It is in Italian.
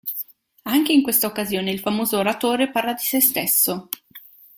Anche in questa occasione il famoso oratore parla di sé stesso.